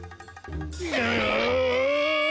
うん！